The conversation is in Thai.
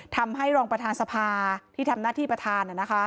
ทำให้รองประธานสภาที่ทำหน้าที่ประธาน